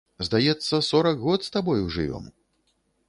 Здаецца, сорак год з табою жывём?